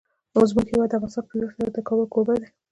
زموږ هیواد افغانستان په ویاړ سره د کابل کوربه دی.